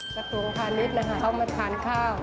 กระตวงพาณิชนะครับเขามาทานข้าว